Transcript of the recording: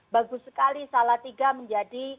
bagus sekali salah tiga menjadi